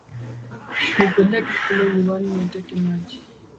Nipeleke kule ziwani niteke maji.